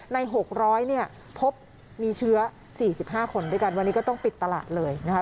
ใน๖๐๐เนี่ยพบมีเชื้อ๔๕คนด้วยกันวันนี้ก็ต้องปิดตลาดเลยนะคะ